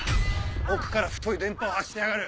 奥から太い電波を発してやがる！